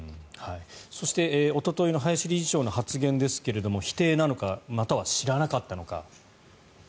そしておとといの林理事長の発言ですが否定なのかまたは知らなかったのか。